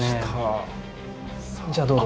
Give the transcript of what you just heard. じゃあどうぞ。